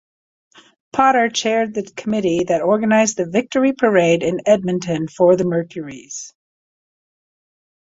Potter chaired the committee that organized the victory parade in Edmonton for the Mercurys.